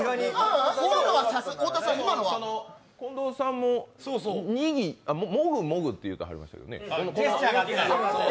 近藤さんも「もぐ」「もぐ」って言うてはりましたよね。